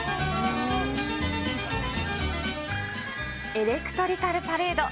エレクトリカルパレード。